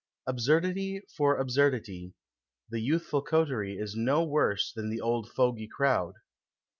Absurdity for absurdity, the youthful coterie is no worse than the old fogey crowd."